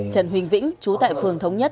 trần huỳnh vĩnh chú tại phường thống nhất